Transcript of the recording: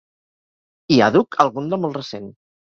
I àdhuc algun de molt recent.